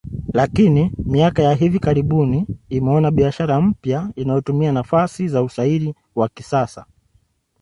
Lakini miaka ya hivi karibuni imeona biashara mpya inayotumia nafasi za usairi wa kisasa